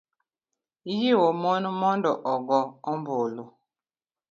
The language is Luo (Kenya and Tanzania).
ijiwo mon mondo ogo ombulu.